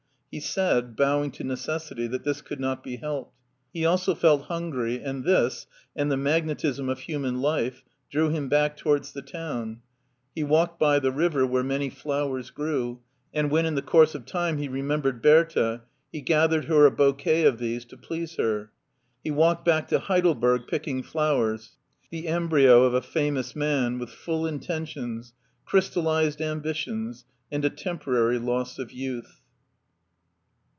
He said, bowing to necessity, that this could not be helped. He also felt hungry, and this, and the magnetism of human life, drew him back towards the town. He walked by the river, where many flowers grew, and when in the course of time he remembered Bertha he gathiered her a bouquet of these to please her. He walked back to Heidelberg picking flowers, the embryo of a famous man, with full intuitions, crystallized ambitions, and a temporary loss of youth.